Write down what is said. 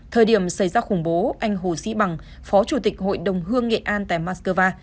thời điểm xảy ra khủng bố anh hồ sĩ bằng phó chủ tịch hội đồng hương nghệ an tại moscow